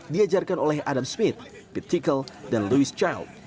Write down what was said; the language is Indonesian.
diajarkan oleh adam smith pete tickle dan louis child